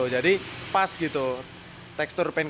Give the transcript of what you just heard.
jadi pas gitu